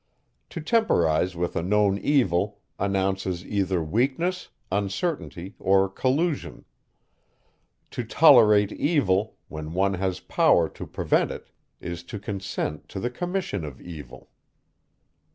To temporize with a known evil, announces either weakness, uncertainty, or collusion. To tolerate evil, when one has power to prevent it, is to consent to the commission of evil.